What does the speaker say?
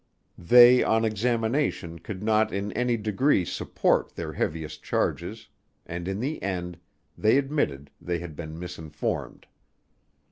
They on examination, could not in any degree, support their heaviest charges, and in the end, they admitted they had been misinformed.